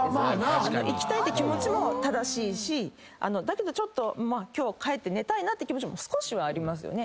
行きたいって気持ちも正しいしだけどちょっと帰って寝たいなって気持ち少しはありますよね。